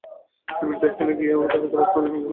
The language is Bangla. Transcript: নিভৃত স্থানে গিয়া সে উদয়াদিত্যের বক্ষ আলিঙ্গন করিয়া ধরিল।